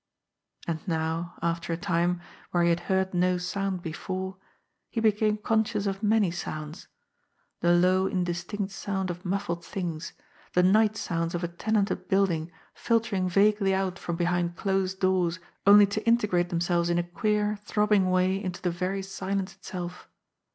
And now, after a time, where he had heard no sound be fore, he became conscious of many sounds the low indis tinct sound of muffled things, the night sounds of a tenanted building filtering vaguely out from behind closed doors only to integrate themselves in a queer, throbbing way into the very silence itself.